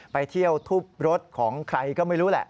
ไปเที่ยวทุบรถของใครก็ไม่รู้แหละ